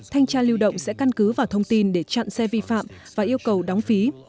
thanh tra lưu động sẽ căn cứ vào thông tin để chặn xe vi phạm và yêu cầu đóng phí